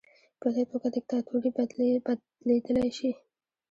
په دې توګه دیکتاتوري بدلیدلی شي.